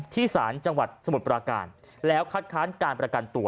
ศาลจังหวัดสมุทรปราการแล้วคัดค้านการประกันตัว